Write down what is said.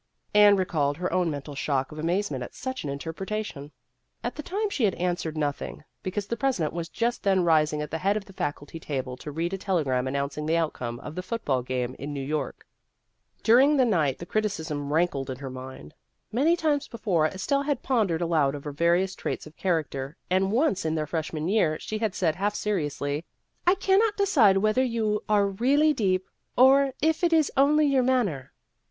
Anne recalled her own mental shock of amazement at such an interpretation. At the time she had answered nothing, be cause the president was just then rising at the head of the faculty table to read a telegram announcing the outcome of the football game in New York. During the night the criticism rankled in her mind. Many times before, Estelle had pondered aloud over various traits of character, and once in their freshman year she had said, half seriously, " I cannot decide whether you are really deep, or if it is only your manner."